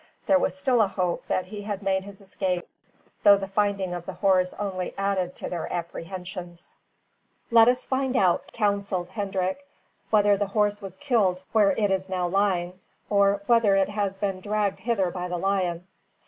There was still a hope that he had made his escape, though the finding of the horse only added to their apprehensions. "Let us find out," counselled Hendrik, "whether the horse was killed where it is now lying, or whether it has been dragged hither by the lion."